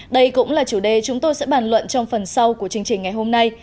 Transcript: đây cũng là chủ đề chúng tôi sẽ bàn luận trong phần sau của chương trình ngày hôm nay